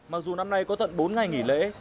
mặc dù năm nay có tận bốn ngày nghỉ lễ